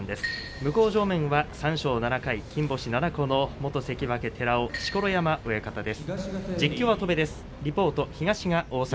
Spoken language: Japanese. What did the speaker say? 向正面は三賞７回金星７個の元関脇寺尾錣山親方です。